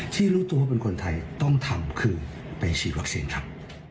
รู้ตัวว่าเป็นคนไทยต้องทำคือไปฉีดวัคซีนครับ